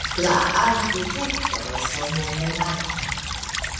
La arĥitekto estas nekonata.